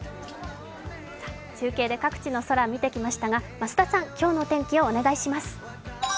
中継で各地の空見てきましたが、増田さん、各地の天気お願いします。